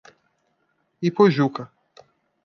Ipojuca